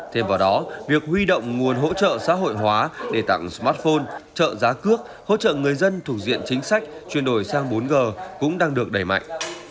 thêm vào đó việc huy động nguồn hỗ trợ xã hội hóa để tặng smartphone trợ giá cước hỗ trợ người dân thủ diện chính sách chuyển đổi sang bốn g cũng đang được đẩy mạnh